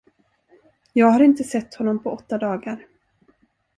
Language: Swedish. Jag har inte sett honom på åtta dagar.